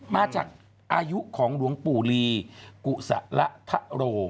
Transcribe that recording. มาจากอายุของหลวงปู่ลีกุศละทะโร